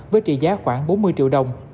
với trị giá khoảng bốn mươi triệu đồng